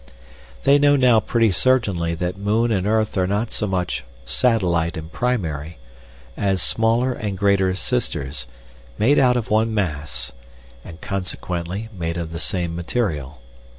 They know now pretty certainly that moon and earth are not so much satellite and primary as smaller and greater sisters, made out of one mass, and consequently made of the same material.